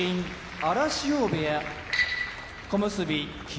荒汐部屋小結・霧